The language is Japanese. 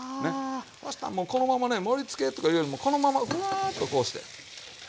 そしたらもうこのままね盛りつけとかいうよりもこのままうわっとこうして。